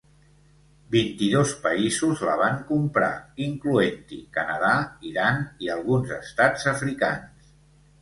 Vint-i-dos països la van comprar, incloent-hi Canadà, Iran i alguns estats africans.